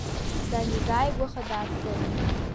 Данизааигәаха дааҭгылт.